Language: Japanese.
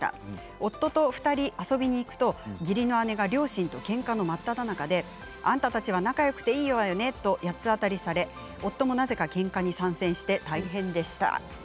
夫と２人で遊びに行くと義理の姉が両親とけんかの真っただ中であんたたちは仲よくていいわよねと八つ当たりされ夫もなぜかけんかに参戦して大変でした。